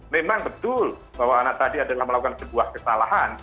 memang betul bahwa anak tadi adalah melakukan sebuah kesalahan